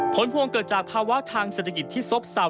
ผลพวงเกิดจากภาวะทางเศรษฐกิจที่ซบเศร้า